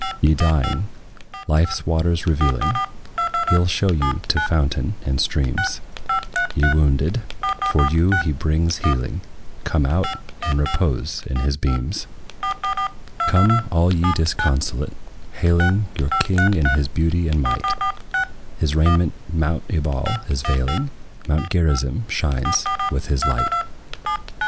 Ye dying, life's waters revealing, He 'll show you to fountain and streams: Ye wounded, for you he brings healing; Come out and repose in his beams. Come, all ye disconsolate, hailing Your King in his beauty and might; His raiment mount Ebal is veiling; Mount Gerizim shines with his light.